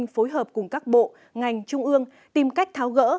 phối hợp cùng các bộ ngành trung ương tìm cách tháo gỡ